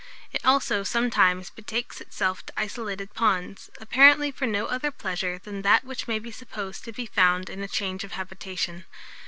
It also, sometimes, betakes itself to isolated ponds, apparently for no other pleasure than that which may be supposed to be found in a change of habitation.